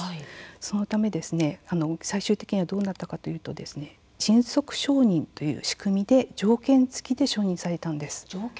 そのため最終的にどうなったかと言うと迅速承認という仕組みで条件付きで承認されたんです。